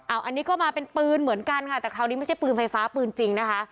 อันนี้ก็มาเป็นปืนเหมือนกันค่ะแต่คราวนี้ไม่ใช่ปืนไฟฟ้าปืนจริงนะคะ